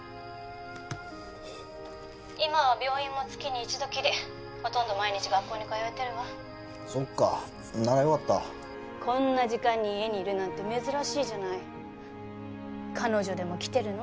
☎今は病院も月に１度きりほとんど毎日学校に通えてるわそっかなら良かったこんな時間に家にいるなんて珍しいじゃない彼女でも来てるの？